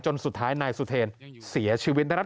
สุดท้ายนายสุเทรนเสียชีวิตได้รับ